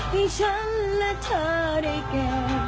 ให้ฉันและเธอได้แก่